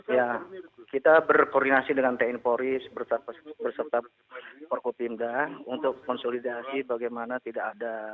ya kita berkoordinasi dengan tni polri berserta forkopimda untuk konsolidasi bagaimana tidak ada